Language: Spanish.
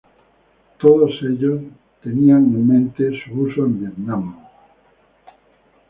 Todos ellos tenían en mente su uso en Vietnam.